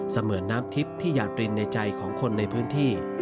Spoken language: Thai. เหมือนน้ำทิพย์ที่อยากรินในใจของคนในพื้นที่